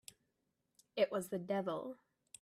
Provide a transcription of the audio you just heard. It was the devil!